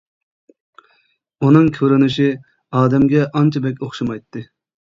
ئۇنىڭ كۆرۈنۈشى ئادەمگە ئانچە بەك ئوخشىمايتتى.